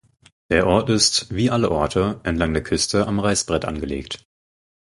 Der Ort ist wie alle Orte entlang der Küste am Reißbrett angelegt.